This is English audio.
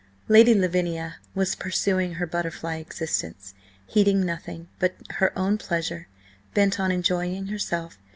Lady Lavinia was pursuing her butterfly existence, heeding nothing but her own pleasure, bent on enjoying herself.